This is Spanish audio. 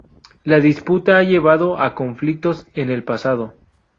La disputa ha llevado a conflictos en el pasado.